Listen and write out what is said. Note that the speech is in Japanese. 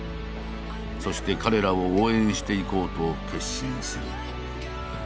そして彼らを応援していこうと決心する。